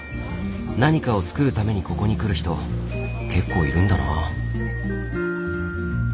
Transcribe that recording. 何かを作るためにここに来る人結構いるんだな。